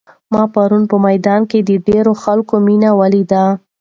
ما پرون په میدان کې د ډېرو خلکو مینه ولیده.